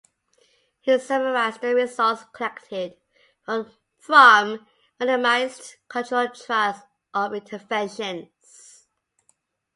He summarized the results collected from randomized controlled trials of interventions.